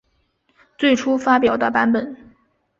最初发表的版本。